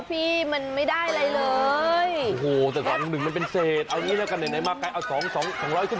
พี่มันไม่ได้อะไรเลยโอ้โหแต่สองหนึ่งมันเป็นเศษเอานี่แหละกันไหนมากันเอาสองสองสองร้อยสองถ้วนอ่ะ